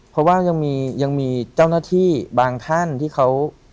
เพราะว่ายังมีเจ้าหน้าที่บางท่านที่เขา